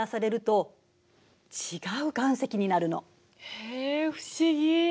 へえ不思議。